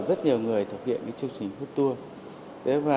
rất nhiều người thực hiện chương trình food tour